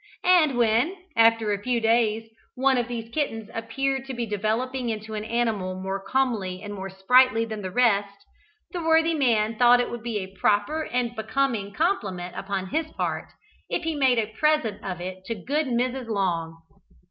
And when, after a few days, one of these kittens appeared to be developing into an animal more comely and more sprightly than the rest, the worthy man thought it would be a proper and becoming compliment upon his part if he made a present of it to good Mrs. Long.